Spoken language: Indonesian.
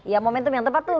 ya momentum yang tepat tuh